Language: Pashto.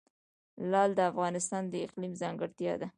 لعل د افغانستان د اقلیم ځانګړتیا ده.